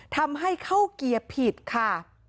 ทำให้เข้าเกียร์ผิดค่ะ